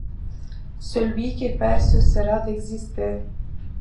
Celui qui perd cessera d'exister.